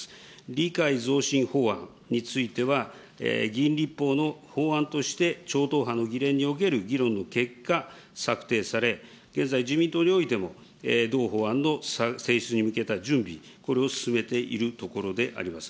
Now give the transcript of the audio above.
理解増進法案については、議員立法の法案として、超党派の議連における議論の結果策定され、現在、自民党においても同法案の提出に向けた準備、これを進めているところであります。